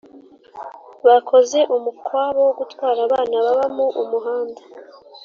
Bakoze umukwabo wogutwara abana baba mu umuhanda